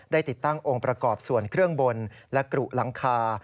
ติดตั้งองค์ประกอบส่วนเครื่องบนและกรุหลังคา